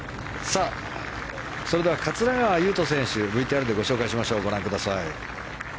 それでは桂川有人選手ＶＴＲでご紹介しましょう。